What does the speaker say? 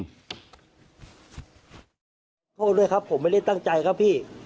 โทษด้วยครับผมไม่ได้ตั้งใจครับพี่